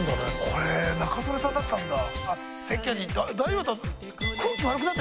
これ仲宗根さんだったんだ。